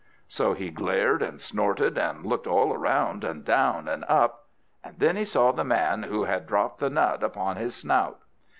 So he glared and snorted, and looked all round, and down, and up and then he saw the man who had dropped the nut upon his snout!